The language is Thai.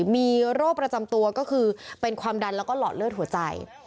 มีโรคประจำตัวก็คือเป็นความดันแล้วก็หลอดเลือดหัวใจ